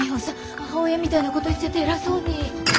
母親みたいなこと言っちゃって偉そうに。